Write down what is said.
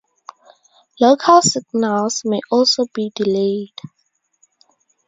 Local signals may also be delayed.